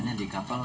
bapak di kapal